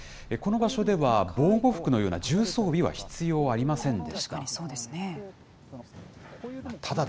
この場所では、防護服のような重装備は必要ありませんでした。